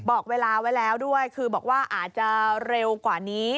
บอกเวลาไว้แล้วด้วยคือบอกว่าอาจจะเร็วกว่านี้